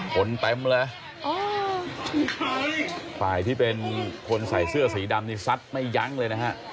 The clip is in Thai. เต็มเลยฝ่ายที่เป็นคนใส่เสื้อสีดำนี่ซัดไม่ยั้งเลยนะฮะ